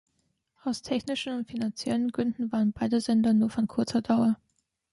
Aus technischen und finanziellen Gründen waren beide Sender nur von kurzer Dauer.